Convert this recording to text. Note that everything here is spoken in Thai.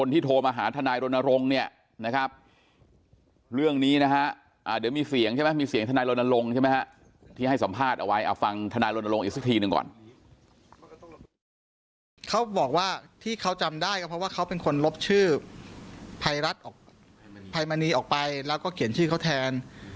ที่ให้สัมภาษณ์เอาไว้เอาฟังทนายรณรงค์อีกสักทีหนึ่งก่อน